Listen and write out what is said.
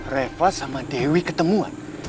reva sama dewi ketemuan